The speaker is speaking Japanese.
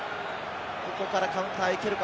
ここからカウンター行けるか？